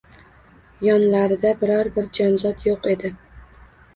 Yonlarida biror-bir jonzot yo‘q edi.